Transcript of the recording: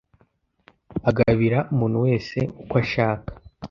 agabira umuntu wese uko ashaka.